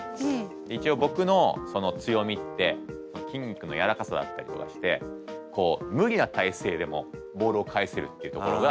一応僕のその強みって筋肉のやわらかさだったりとかしてこう無理な体勢でもボールを返せるっていうところが強みでもあったんですよね。